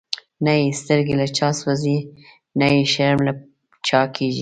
نه یی سترگی له چا سوځی، نه یی شرم له چا کیږی